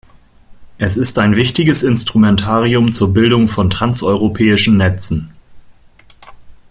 Es ist ein wichtiges Instrumentarium zur Bildung von Transeuropäischen Netzen.